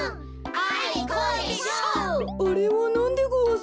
あれはなんでごわす？